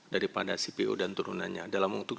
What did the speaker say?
daripada cpo dan turunannya dalam untuk